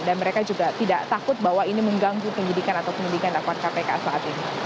dan mereka juga tidak takut bahwa ini mengganggu pendidikan atau pendidikan dakwaan kpk saat ini